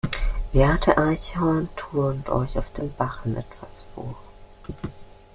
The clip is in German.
Beate Eichhorn turnt euch auf dem Barren etwas vor.